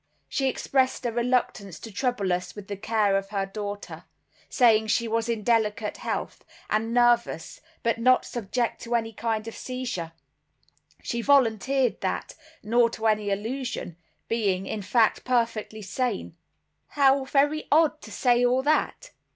She expressed a reluctance to trouble us with the care of her daughter, saying she was in delicate health, and nervous, but not subject to any kind of seizure—she volunteered that—nor to any illusion; being, in fact, perfectly sane." "How very odd to say all that!"